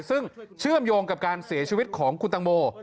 ซึ่งเชื่อมโยงกับการเสียชีวิตของคุณตังโม